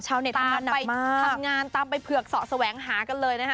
ชาวเน็ตทำงานมากทำงานตามไปเผือกสระแสวงหากันเลยนะฮะ